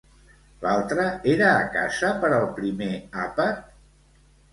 L'altre era a casa per al primer àpat?